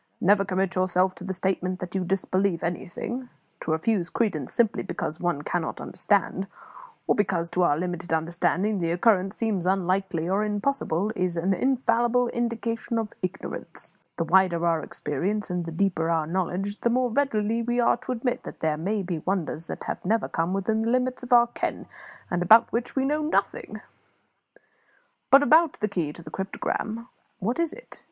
"Never commit yourself to the statement that you disbelieve anything. To refuse credence simply because one cannot understand, or because to our limited understanding the occurrence seems unlikely or impossible, is an infallible indication of ignorance. The wider our experience, and the deeper our knowledge, the more ready are we to admit that there may be many wonders that have never come within the limits of our ken, and about which we know nothing. But, about the key to the cryptogram, what is it?